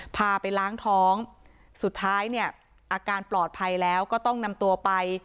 พาไปล้างท้องสุดท้ายเนี่ยอาการปลอดภัยแล้วก็ต้องนำตัวไป